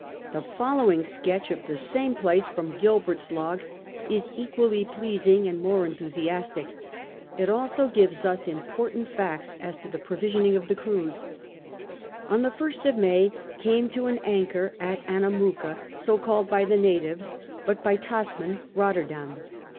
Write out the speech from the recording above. The following sketch of the same place from Gilbert's log is equally pleasing, and more enthusiastic. It also gives us import ant facts as to the provisioning of the crews. On the 1st of May came to an anchor at Annamooka, so called by the natives, but by Tasman Rotterdam.